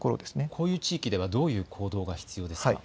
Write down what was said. こういう地域ではどういう行動が必要ですか。